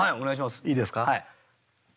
いいですか？